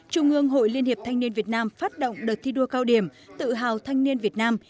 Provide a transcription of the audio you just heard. trung ương hội liên hiệp thanh niên việt nam phát động đợt thi đua cao điểm tự hào thanh niên việt nam